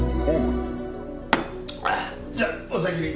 じゃお先に。